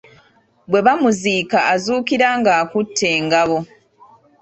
Bwe bamuziika azuukira ng'akutte engabo.